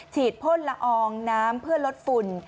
พ่นละอองน้ำเพื่อลดฝุ่น